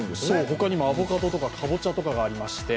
他にもアボカドとかかぼちゃとかありまして。